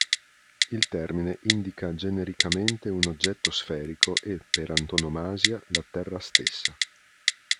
Il termine indica genericamente un oggetto sferico e, per antonomasia, la Terra stessa.